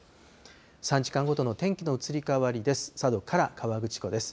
３時間ごとの天気の移り変わりです。